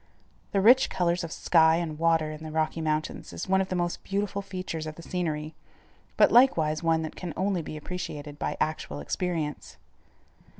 The rich colors of sky and water in the Rocky Mountains is one of the most beautiful features of the scenery, but likewise one that can only be appreciated by actual experience.